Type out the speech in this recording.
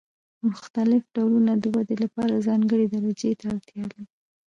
مختلف ډولونه د ودې لپاره ځانګړې درجې ته اړتیا لري.